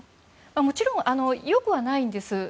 もちろん良くはないんです。